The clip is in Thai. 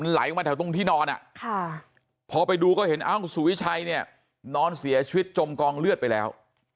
ไหลมาแถวตรงที่นอนพอไปดูก็เห็นเอ้าสุวิชัยเนี่ยนอนเสียชีวิตจมกองเลือดไปแล้ว